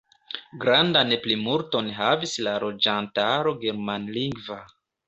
Grandan plimulton havis la loĝantaro germanlingva.